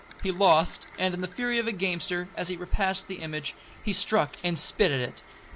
He lost; and, in the fury of a gamester, as he repassed the image, he struck and spit at it.